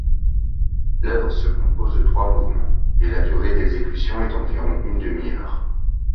L'œuvre se compose de trois mouvements et la durée d'exécution est d'environ une demi-heure.